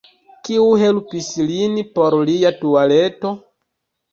Kiu helpis lin por lia tualeto?